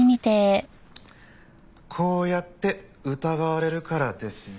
こうやって疑われるからですよ。